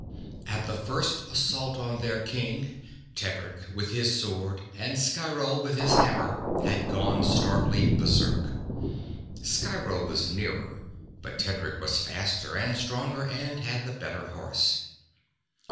At the first assault on their king, Tedric with his sword and Sciro with his hammer had gone starkly berserk. Sciro was nearer, but Tedric was faster and stronger and had the better horse.